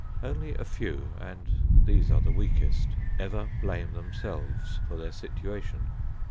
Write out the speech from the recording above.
Only a few, and these are the weakest, ever blame themselves for their situation.